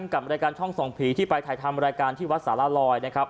กับรายการช่องส่องผีที่ไปถ่ายทำรายการที่วัดสารลอยนะครับ